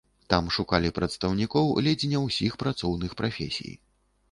Там шукалі прадстаўнікоў ледзь не ўсіх працоўных прафесій.